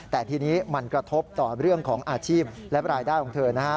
แต่ทีนี้มันกระทบต่อเรื่องของอาชีพและรายได้ของเธอนะฮะ